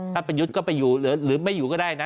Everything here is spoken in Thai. ประยุทธ์ก็ไปอยู่หรือไม่อยู่ก็ได้นะ